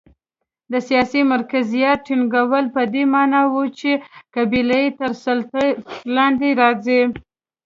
د سیاسي مرکزیت ټینګول په دې معنا و چې قبیلې تر سلطې لاندې راځي.